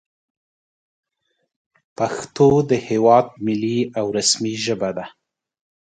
په د هېواد ملي او رسمي ژبه ده